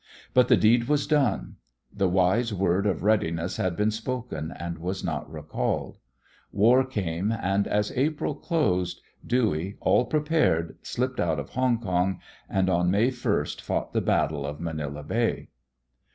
But the deed was done. The wise word of readiness had been spoken and was not recalled. War came, and as April closed, Dewey, all prepared, slipped out of Hongkong and on May 1st fought the battle of Manila Bay.